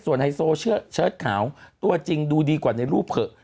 ไฮโซเชิดขาวตัวจริงดูดีกว่าในรูปเถอะ